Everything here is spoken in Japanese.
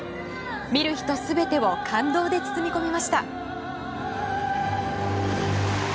見る人全てを感動で包み込みました。